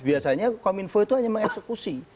biasanya kominfo itu hanya mengeksekusi